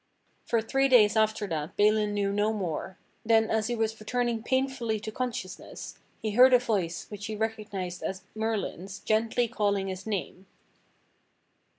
For three daj^s after that Balin knew no more. Then, as he was returning painfully to consciousness, he heard a voice which he recognized as Merlin's gently calling his name.